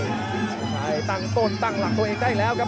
ใช้ตั้งต้นตั้งหลักตัวเองได้แล้วครับ